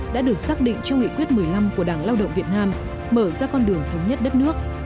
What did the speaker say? đã được xác định trong nghị quyết một mươi năm của đảng lao động việt nam mở ra con đường thống nhất đất nước